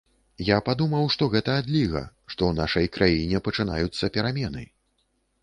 Я падумаў, што гэта адліга, што ў нашай краіне пачынаюцца перамены.